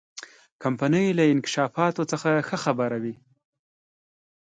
کمپنۍ له انکشافاتو څخه ښه خبره وه.